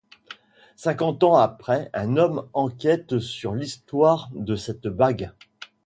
Cinquante ans après, un homme enquête sur l'histoire de cette bague...